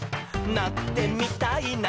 「なってみたい